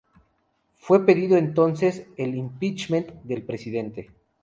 Fue pedido, entonces, el "impeachment" del presidente.